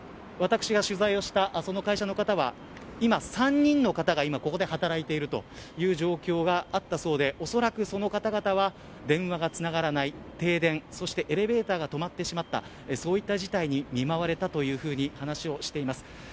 私が取材をした会社の方は今３人の方がここで働いているという状況があったそうでおそらくその方々は電話がつながらない停電、エレベーターが止まってしまったそうした事態に見舞われたと話をしています。